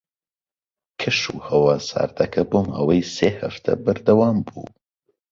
کەشوهەوا ساردەکە بۆ ماوەی سێ هەفتە بەردەوام بوو.